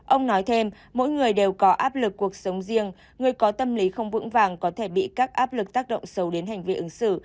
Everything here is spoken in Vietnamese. ông nói thêm mỗi người đều có áp lực cuộc sống riêng người có tâm lý không vững vàng có thể bị các áp lực tác động sâu đến hành vi ứng xử